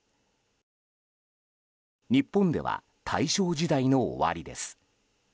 日本では大正時代の終わりです。